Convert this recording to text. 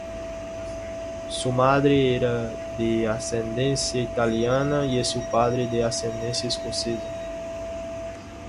Su madre era de ascendencia italiana y su padre de ascendencia escocesa.